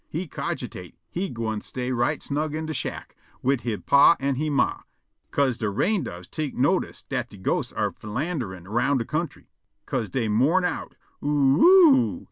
He cogitate he gwine stay right snug in de shack wid he pa an' he ma, 'ca'se de rain doves tek notice dat de ghosts are philanderin' roun' de country, 'ca'se dey mourn out, "Oo oo o o o!"